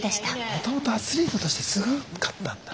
もともとアスリートとしてすごかったんだ。